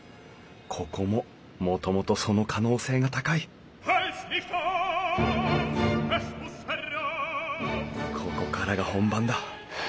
ここももともとその可能性が高いここからが本番だ。